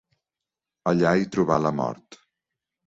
Allà hi trobà la mort.